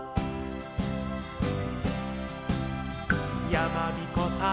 「やまびこさん」